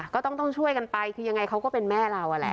ก็ต้องช่วยกันไปคือยังไงเขาก็เป็นแม่เราอะแหละ